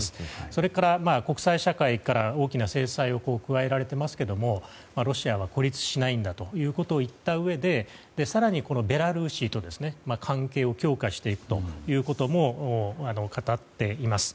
それから、国際社会から大きな制裁を加えられていますがロシアは孤立しないんだということを言ったうえで更にベラルーシと関係を強化していくということも語っています。